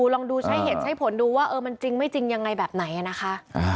ลองดูใช้เหตุใช้ผลดูว่ามันจริงไม่จริงยังไงแบบไหนนะคะ